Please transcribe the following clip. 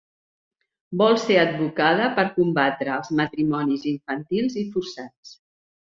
Vol ser advocada per combatre els matrimonis infantils i forçats.